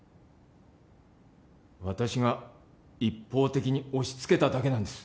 私が一方的に押しつけただけなんです